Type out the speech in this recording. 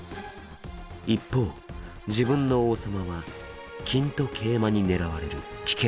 一方自分の王様は金と桂馬にねらわれる危険な状況。